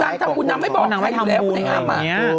นางทำบุญนางไม่บอกว่านางไม่ทำบุญอยู่แล้วไอ้อ้ำอ่ะ